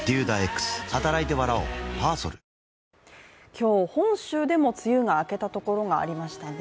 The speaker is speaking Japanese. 今日、本州でも梅雨が明けたところがありましたね。